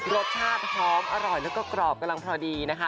รสชาติหอมอร่อยแล้วก็กรอบกำลังพอดีนะคะ